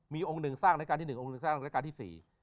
มีองค์หนึ่งสร้างรายการที่๑องค์หนึ่งสร้างรายการที่๔